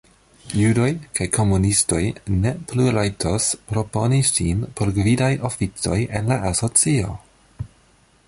Judoj kaj komunistoj ne plu rajtos proponi sin por gvidaj oficoj en la asocio.